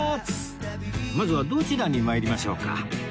まずはどちらに参りましょうか？